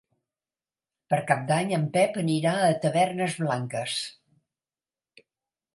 Per Cap d'Any en Pep anirà a Tavernes Blanques.